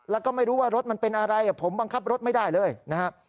แล้วก็ไม่รู้ว่ารถมันเป็นอะไรผมบังคับรถไม่ได้เลยนะครับ